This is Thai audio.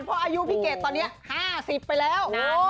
เพราะอายุพี่เกดตอนนี้๕๐ไปแล้ว